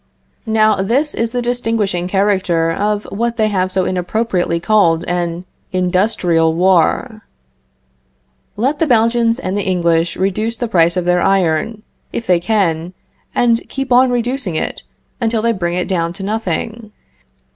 Now, this is the distinguishing character of what they have so inappropriately called an industrial war. Let the Belgians and English reduce the price of their iron, if they can, and keep on reducing it, until they bring it down to nothing.